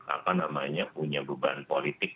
apa namanya punya beban politik